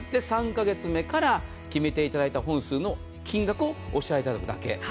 ３カ月目から決めていただいた本数の金額をお支払いいただくだけ。